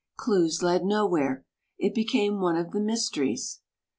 Clues led nowhere. It became one of the mys teries.